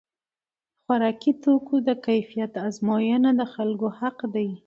د خوراکي توکو د کیفیت ازموینه د خلکو حق دی.